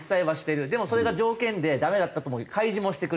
でもそれが条件でダメだったとも開示もしてくれない。